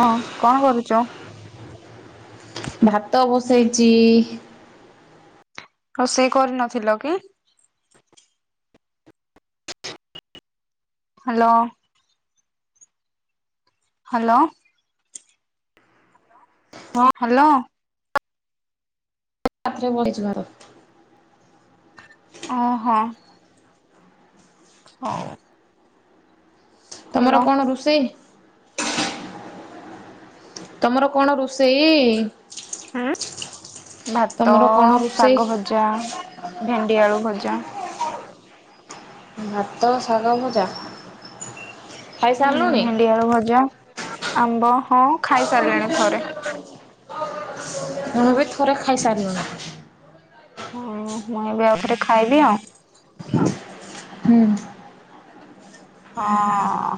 ହଁ କଣ କରୁଛ? ଭାତ ବସେଇଛି। ରୋଷେଇ କରିନଥିଲ କି? ହାଲୋ। ହାଲୋ। ହଁ ହାଲୋ। ଆଉଥରେ ବଇଚି ଭାତ। ଓହୋ। ହଉ। ତମର ହାଲୋ। କଣ ରୋଷେଇ? ତମର କଣ ରୋଷେଇ? ହୁଁ ଭାତ, ତମର କଣ ରୋଷେଇ? ଶାଗ ଭଜା, ଭେଣ୍ଡି ଆଳୁ ଭଜା। ଭାତ, ଶାଗ ଭଜା। ଖାଇ ହୁଁ ସାରିଲୁଣି? ଭେଣ୍ଡି ଆଳୁ ଭଜା, ଆମ୍ବ ହଁ। ଖାଇସାରିଲିଣି ଥରେ। ମୁଁ ବି ଥରେ ଖାଇସାରିଲୁଣି। ହୁଁ ମୁଁ ଏବେ ଆଉଥରେ ଖାଇବି ଆଉ। ହୁଁ। ହଁ।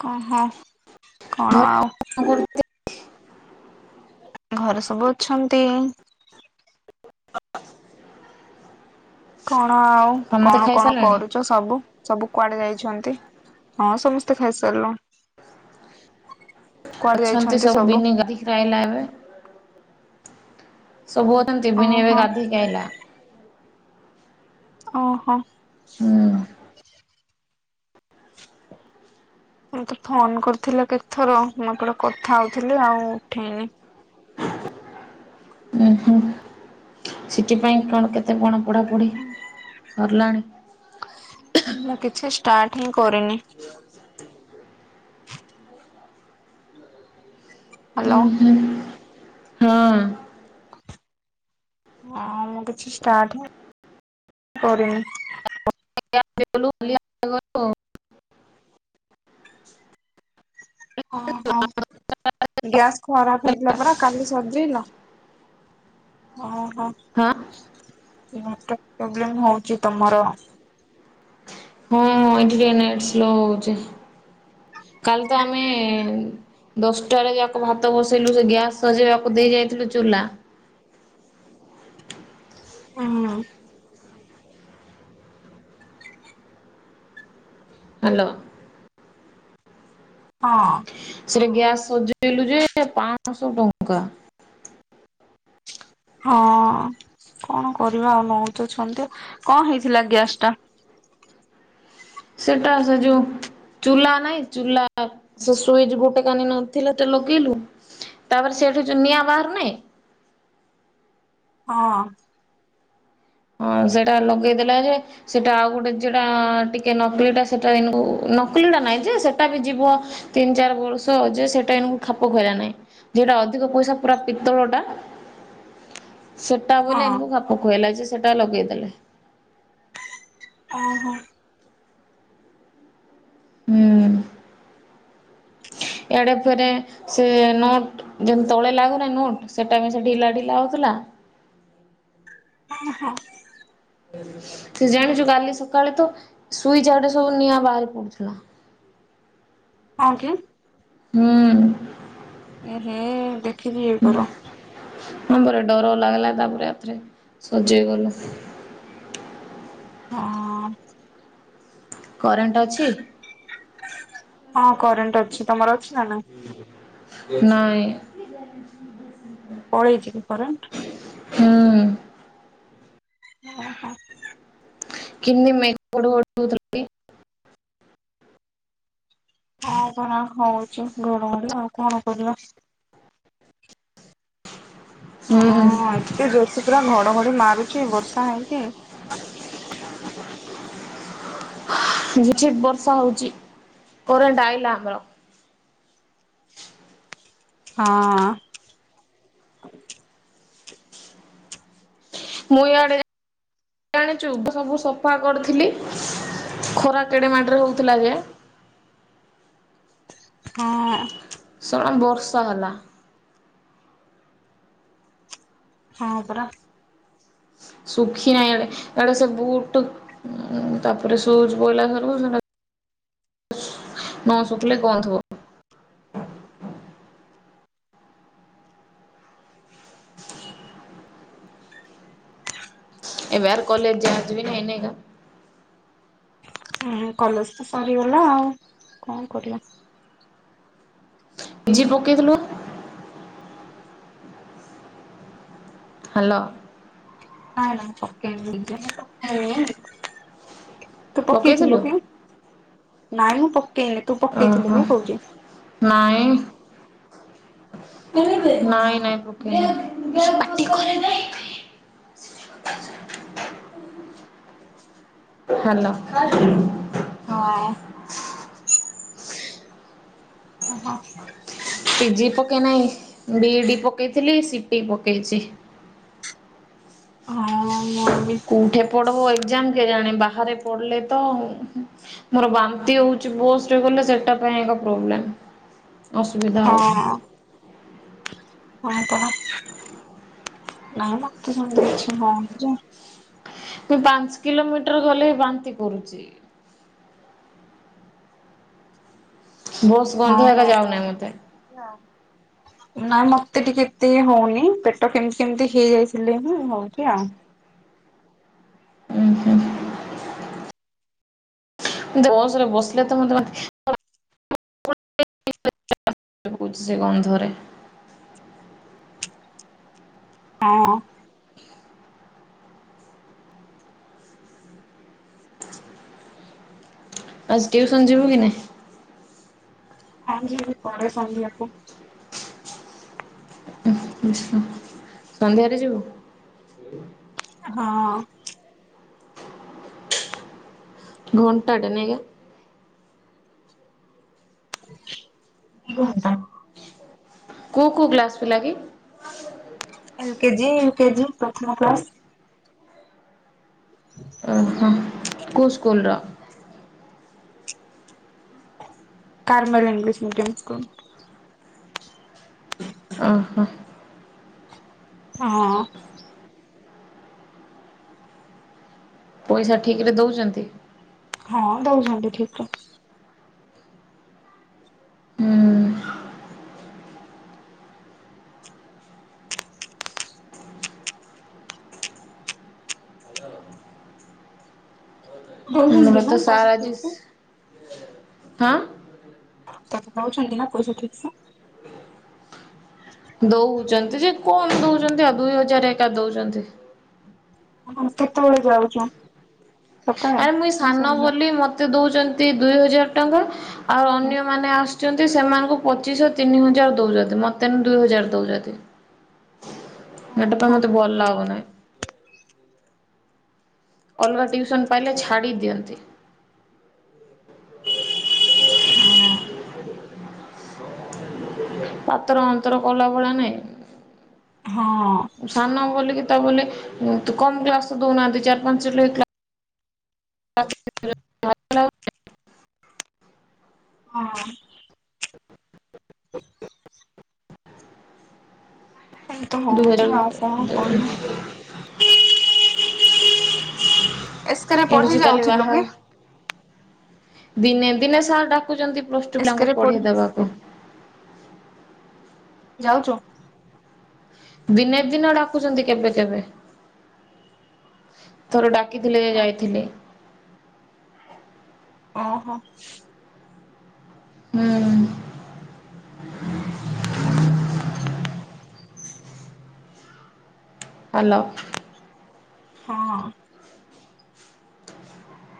କ ହଁ କଣ ଆଉ? କଁ କରୁଚନ୍ତି? ଘରେ ସବୁ ଅଛନ୍ତି। କଣ ଆଉ ସମସ୍ତେ କଣ କଣ ଖାଇସାରିଲେଣି କରୁଚ ସବୁ ସବୁ କୁଆଡେ ଯାଇଛନ୍ତି? ହଁ ସମସ୍ତେ ଖାଇସାରିଲୁଣି। କୁଆଡେ ଅଛନ୍ତି ଯାଇଛନ୍ତି ସବୁ ବିିନି ଗାଧେଇକିରି ଆଇଲା ଏବେ। ସବୁ ଅଛନ୍ତି ବିିନି ଏବେ ଓହୋ। ଗାଧେଇକି ଆଇଲା। ଓହୋ। ହୁଁ। ମତେ ଫୋନ କରିଥିଲ କେତଥର ମୁଁ ଏପଟେ କଥା ହଉଥିଲି ଆଉ ଉଠେଇନି। ଉଁ ହୁଁ ସି ଟି ପାଇଁ କଣ କେତେ କଣ ପଢ଼ାପଢ଼ି ସରିଲାଣି? ମୁଁ କିଛି ଷ୍ଟାର୍ଟ ହିଁ କରିନି। ଉଁ ହାଲୋ। ହୁଁ ହଁ। ହଁ ମୁଁ କିଛି ଷ୍ଟାର୍ଟ ହିଁ କରିନି। [unintelligible] ଓହୋ ଗ୍ୟାସ୍ ଖରାପ ହେଇଥିଲା ପରା କାଲି ସଜେଇଲ? ଓହୋ ହଁ। ନେଟୱର୍କ ପ୍ରୋବ୍ଲେମ ହଉଛି ତମର? ହଁ ଟିକେ ନେଟ୍ ସ୍ଲୋ ହଉଛି। କାଲି ତ ଆମେ ଦଶଟାରେ ଯାକ ଭାତ ବସେଇଲୁ ସେ ଗ୍ୟାସ୍ ସଜେଇବାକୁ ଦେଇ ଯାଇଥିଲୁ ଚୁଲା। ହଁ। ହାଲୋ। ହଁ। ସେ ଗ୍ୟାସ ସଜେଇଲୁ ଯେ ପାଆଁଶ ଟଙ୍କା। ହଁ କଣ କରିବା ଆଉ ନଉତଛନ୍ତି କଣ ହେଇଥିଲା ଗ୍ୟାସଟା? ସେଟା ସେ ଯୋଉ ଚୁଲା ନାଇଁ ଚୁଲା ସେ ସୁଇଚ ଗୋଟେ କାନି ନଥିଲା ତ ଲଗେଇଲୁ। ତାପରେ ସେଠି ଯୋଉ ନିଆଁ ବାହାରୁ ନାହିଁ। ହଁ। ହଁ ସେଇଟା ଲଗେଇଦେଲା ଯେ ସେଟା ଆଉ ଗୋଟେ ଯଉଟା ଟିକେ ନକଲିଟା ସେଟା ଏନବୋ ନକଲି ଟା ନାଇଁ ଯେ ସେଟା ବି ଯିବ। ତିନି ଚାରି ବର୍ଷ ଯେ ସେଟା ଏନଙ୍କୁ ଖାପ ଖୁଆଇଲା ନାହିଁ। ଯୋଉଟା ଅଧିକ ପଇସା ପୁରା ପିତଳଟା ସେଟା ବୋଇଲେ ହଁ ଏନଙ୍କୁ ଖାପ ଖୁଆଇଲା ଯେ ସେଟା ଲଗେଇଦେଲେ। ଓହୋ। ହୁଁ ଇଆଡେ ଫେରେ ସେ ନଟ୍ ଯେମି ତଳେ ଲାଗୁନା ନୋଟ ସେଟା ବି ସେ ଢିଲା ଢିଲା ହଉଥିଲା ଆ ହା। ସେ ଜାଣିଛୁ କାଲି ସକାଳେ ତ ସୁଇଚ ଆଡେ ସବୁ ନିଆଁ ବାହାରି ପଡୁଥିଲା। ହଁ କି? ହୁଁ। ଏ ହେ ଦେଖିକି ଇଏ କର। ହଁ ପରା ଡର ଲାଗିଲା ତା ପରେ ସଜେଇ ଗଲୁ। ହଁ। ହଁ। କରେଣ୍ଟ ଅଛି? ହଁ କରେଣ୍ଟ ଅଛି ତମର ଅଛି ନା ନାହିଁ? ନାଇଁ। ପଳେଇଛି କି କରେଣ୍ଟ? ହୁଁ। ଓହୋ। କିନି [unintelligible] [unintelligible] ହଁ ପରା ହଉଛି ଘଡ଼ଘଡ଼ି ଆଉ କଣ କରିବା? ହୁଁ ହଁ ହୁଁ। ଏତେ ଜୋର ସେ ପୁରା ଘଡ଼ଘଡ଼ି ମାରୁଛି ବର୍ଷା ହେଇକି। [inaudible] ଝିପ୍ ଝିପ୍ ବର୍ଷା ହଉଛି। କରେଣ୍ଟ ଆଇଲା ଆମର। [inaudible] ହଁ। ମୁ ଆଡ଼େ ଜାଣିଛୁ ସବୁ ସଫା କରିଥିଲି ଖରା କେଡେ ମାଟ ରେ ହଉଥିଲା ଯେ ହଁ ଆ ଶଳା ବର୍ଷା ହେଲା। ହଁ ପରା। ସୁଖିନାଇ ଆଡ଼େ ଆଡ଼େ ସବୁ ଟୁ ଉ ତାପରେ ସୁଜ ପଇଲା [unintelligible] ନଅ ଶୁଖିଲେ ଗନ୍ଧ ଏ ବାହାର କଲେଜ ଯ ଆଛି ବି ନ ଏନା କଲେଜ ତ ସରିଗଲା ଆଉ କଣ କରିବା? ଝି ପକେଇଦେଲନି। ହ୍ୟାଲୋ। ନାଇଁ ନାଇଁ [unintelligible] ତ ପକେଇଥିଲୁ କି? ନାଇଁ ମୁଁ ପକେଇନି। ତୁ ପକେଇଥିଲୁ ଓହୋ କି କହୁଛି। ନାଇଁ। ନାଇଁ ହଁ ନାଇଁ ପକେଇନି। ହ୍ୟାଲୋ ହା ଓହୋ। ପିଜି ପକେଇନାହିଁ ବିଇ ଡ଼ି ପକେଇଥିଲି ସି ଟି ପକେଇଛି। ହଁ ମୁଁ ବି ଉଁଠେ ପଢ଼ବ ଏକ୍ଜାାମ କେ ଜାଣେ ବାହାରେ ପଡ଼ିଲେ ତ ମୋର ବାନ୍ତି ହଉଛି ବସ୍ ରେ ଗଲେ ସେଟା ପାଇଁ ଏକ ପ୍ରୋବ୍ଲେମ୍। ଅସୁବିଧା। ହଁ ହ ତ ନାଇଁ ମତେ ସେମତି କିଛି ନାହିଁ ଯେ ମୁ ପାଞ୍ଚ କିଲୋମିଟର ଗଲେ ବାନ୍ତି କରୁଛି। ବସ୍ ହଁ ହୁଁ ନାଇଁ ମତେ ଟିକେ ଏତେ ହଉନି ପେଟ କେମିତି କେମିତି ହେଇଯାଇଥିଲେିଁ ହଉଛି ଆଉ ଆଚ୍ଛା ବସରେ ବସିଲେ ତ ମତେ ମେ ଛି ସେ ଗନ୍ଧରେ ହଁ ଆଜି ଟିଉସନ ଯିବୁ କି ନ ହ ପରେସନ୍ତି ଆପଣ ଆଛ ସନ୍ଧ୍ୟାରେ ଯିବୁ ହଁ ଘୁଣ୍ଟ ାଟେ ନଗ କେଉଁ କେଉଁ ଗ୍ଲାସ୍ ପିଲା କି ଏଲ କେଜିି ୟୁ କେଜି ପ୍ରଥମ କ୍ଲାସ ଓ ହ କୁସ୍ କଲରା କାର୍ମଲଇଙ୍ଗଵି୍ ମିଡ଼ିୟମ୍ ସ୍କୁଲ ଓହୋ ହଁ ପଇସା ଠିକ ରେ ଦଉଛନ୍ତି ହଁ ଦଉଛନ୍ତି ଠିକ୍ ରେ। ହୁଁ ଉଁନ ଦଉଛନ୍ତି ନା ମତେ ସା ପଇସା ଠିକ ଆଜିସ୍, ସେ ହଁ। ତପ ଯଉଛନ୍ତି ନା ପଇସା ଠିକ୍ସେ। ଦଉଛନ୍ତି ଯେ କଣ ଦଉଛନ୍ତି, ଆଉ ଦୁଇ ହଜାର ଏକା ଦଉଛନ୍ତି। ଆମେ କେତେବେଳେ ଯାଉଚୁ? ଆରେ ମୁଇଁ ସାନ ବୋଲି ମତେ ଦଉଛନ୍ତି ଦୁଇ ହଜାର ଟଙ୍କା, ଆଉ ଅନ୍ୟମାନୋନେ ଆସ୍ ଛନ୍ତି ସେମାନଙ୍କୁ ପଚିଶ ତିନି ହଜାର ଦଉଛନ୍ତି, ମୋତେନ ଦୁଇ ହଜାର ଦଉଛନ୍ତି। ନେଟପା ଓହୋ ମତେ ଭଲ ଲାଗୁନି। ଅଲଗା ଟ୍ୟୁସନ୍ ପାଇଲେ ଛାଡ଼ି ଦିଅନ୍ତି। ହଁ। ପାତର ଅନ୍ତର କଲା ଭଳା ନାଇଁ। ହଁ। ସାନ ବୋଲିକି ତାବୋଲି କମ କ୍ଲାସ ଦଉନାହାନ୍ତି, ଚାର ପାଞ୍ଚ ଲେଖା ହଁ ଏମିତି ଦୁହ ହଉଛି ଆଉ କଣ କରିବୁ ଏସ୍କେରେ ପଢି ଏଡ଼ଜୁ କଲି ଯାଉଥିଲୁ ବାହା କି ଦିନେ ଦିନେ ସାର ଡାକୁଛନ୍ତି ପ୍ଲସ୍ ଟୁ ପ୍ଲାଙ୍କୁ ଏସ୍କେରେ ପଢେ଼ଇ ପଢି ଦେବାକୁ। ଯାଉଛୁ। ଦିନେ ଦିନ ଡାକୁଛନ୍ତି କେବେ କେବେ, ଥରଡା କିଥିଲେ ଯାଇଥିଲି। ଓହୋ। ହୁଁ। ହାଲୋ। ହଁ।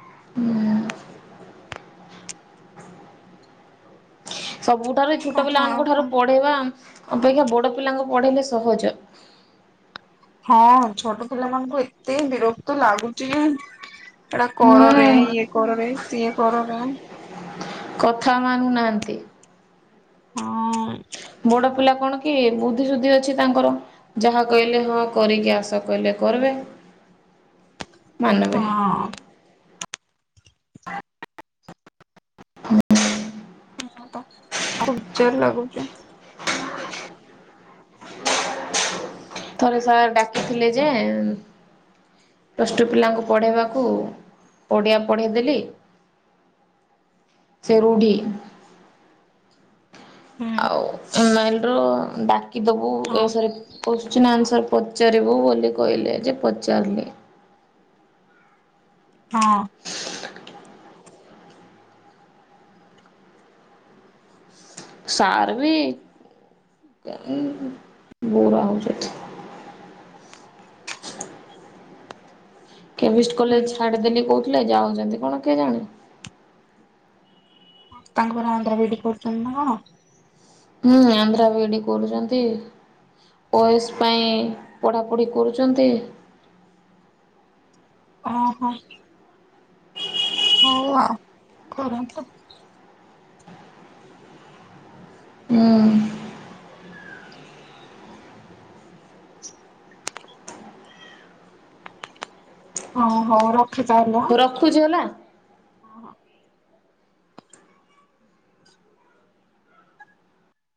ହୁଁ। ସବୁଠାରୁ ଛୋଟ କହ ଆଉ ପିଲାମାନଙ୍କ କଣ ଠାରୁ ପଢେ଼ଇବା ଅପେକ୍ଷା ବଡ଼ ପିଲାଙ୍କୁ ପଢେ଼ଇଲେ ସହଜ। ହଁ ଛୋଟ ପିଲାମାନାନଙ୍କୁ ଏତେ ବିରକ୍ତ ଲାଗୁଛି। ଏଟା କରରେ, ହୁଁ ଇଏ କରରେ, ସିଏ କରରେ। କଥା ମାନୁନାହାନ୍ତି। ହଁ। ବଡ଼ ପିଲା କଣ କି ବୁଦ୍ଧି ସୁୁଦ୍ଧି ଅଛି ତାଙ୍କର। ଯାହା କହିଲେ ହଁ କରିକି ଆସ କହିଲେ କରବେ, ମାନବେ। ହଁ। ହୁଁ। [unintelligible] ହଁତ, ଆଉ ନିଜର୍ ଲାଗୁଚି। ଥରେ ସାର୍ ଡା଼କିଥିଲେ ଯେ ଉ ପ୍ଲସ୍ ଟୁ ପିଲାଙ୍କୁ ପଢ଼େଇବାକୁ ଓଡ଼ିଆ ପଢ଼େଇ ଦେଲି। ସେ ରୁଡ଼ି ହୁଁ କି ଦବୁ, ଏ ହଁ ସରି କୋଶ୍ଚିନ୍ ଆନ୍ସର ପଚାରିବୁ ବୋଲି କହିଲେ ଯେ ପଚାରଲି। ହଁ। [inaudible] ସାର୍ ବି ବୋରା ହୋଉଛନ୍ତି। [inaudible] କେମିଷ୍ଟ ହୁଁ। କଲେଜ ଛାଡ଼ିଦେଲି କହୁଥିଲେ ଯାଉଛନ୍ତି କଣ କେ ଜାଣି? ତାଙ୍କର ଆନ୍ଧ୍ର ବିଡି଼ କରୁଛନ୍ତି ନା କଣ? ହୁଁ, ଆନ୍ଧ୍ର ବିଡି଼ କରୁଛନ୍ତି। ଓ ଏସ୍ ପାଇଁ ପଢ଼ାପଢ଼ି କରୁଛନ୍ତି। ଓହୋ। ହଉ ଆଉ କରନ୍ତୁ। ହୁଁ। ହଁ, ହଉ ର ହଉ ରଖୁଛି ହେଲା।